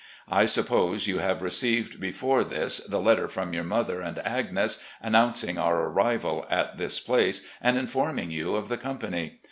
I suppose you have received before this the letter from your mother and Agnes, annotmcing our arrival at this place and informing you of the company.